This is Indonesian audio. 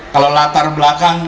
kalau latar belakang